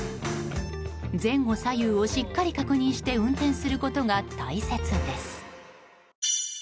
前後左右をしっかり確認して運転することが大切です。